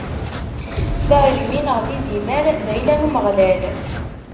D aɛejmi neɣ d izimer, d ayla n Umeɣlal.